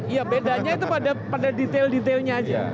ya bedanya itu pada detail detailnya aja